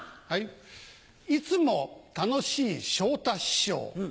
いつも楽しい昇太師匠